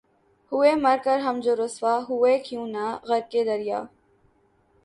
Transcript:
ہوئے مر کے ہم جو رسوا ہوئے کیوں نہ غرقِ دریا